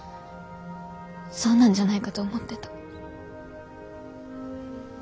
そうなんじゃないかと思ってた。